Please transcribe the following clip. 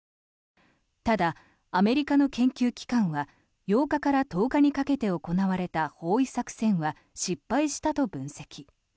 ただ、アメリカの研究機関は８日から１０日にかけて行われた包囲作戦は失敗したと分析。